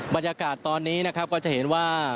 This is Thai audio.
บรรยากาศตอนนี้นะครับก็จะเห็นว่า